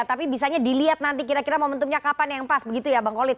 tapi bisanya dilihat nanti kira kira momentumnya kapan yang pas begitu ya bang kolit